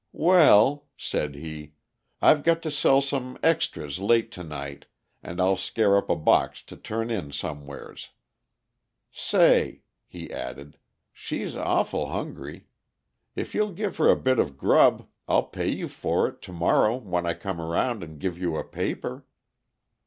"Well," said he, "I've got to sell some extrys late to night, and I'll scare up a box to turn in somewheres. Say," he added, "she's awful hungry. If you'll give her a bit of grub, I'll pay you for it to morrow when I come round, and give you a paper."